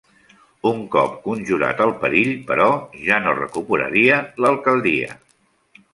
Un cop conjurat el perill, però, ja no recuperaria l'alcaldia.